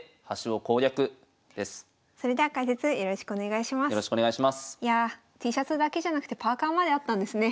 いやあＴシャツだけじゃなくてパーカーまであったんですね。